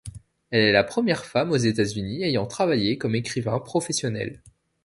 Elle est la première femme aux États-Unis ayant travaillé comme écrivain professionnel.